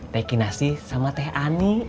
teh kinasi sama teh ani